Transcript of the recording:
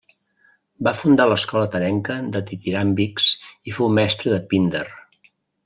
Va fundar l'escola atenenca de ditiràmbics i fou mestre de Píndar.